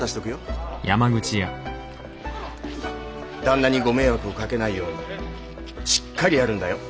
旦那にご迷惑をかけないようにしっかりやるんだよ。